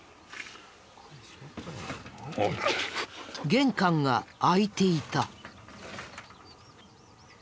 玄関が開いていた。